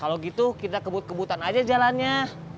kalau gitu kita kebut kebutan aja jalannya